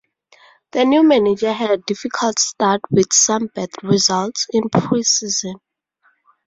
The new manager had a difficult start with some bad results in pre-season.